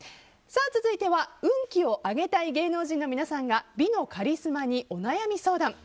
続いては運気を上げたい芸能人の皆さんが美のカリスマにお悩み相談。